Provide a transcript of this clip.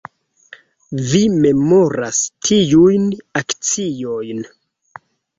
Vi memoras tiujn akciojn